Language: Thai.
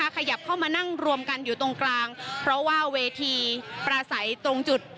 ขยับเข้ามานั่งรวมกันอยู่ตรงกลางเพราะว่าเวทีประสัยตรงจุด